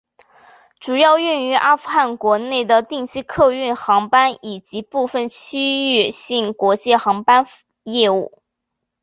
主要运营阿富汗国内的定期客运航班以及部分区域性国际航班业务。